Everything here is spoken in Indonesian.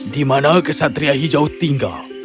di mana kesatria hijau tinggal